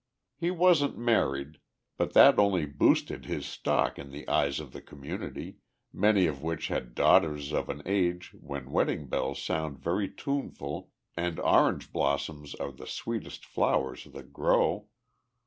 He wasn't married, but that only boosted his stock in the eyes of the community, many of which had daughters of an age when wedding bells sound very tuneful and orange blossoms are the sweetest flowers that grow.